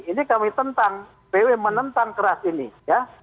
ini kami tentang bw menentang keras ini ya